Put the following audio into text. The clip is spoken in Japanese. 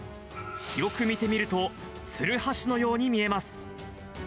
よく見てみると、つるはしのように見えます。